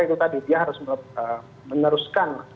itu tadi dia harus meneruskan